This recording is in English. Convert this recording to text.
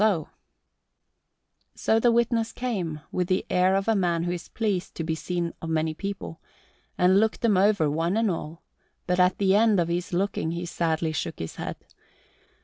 '" So the witness came, with the air of a man who is pleased to be seen of many people, and looked them over, one and all; but at the end of his looking he sadly shook his head.